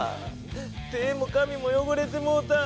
手も紙もよごれてもうた。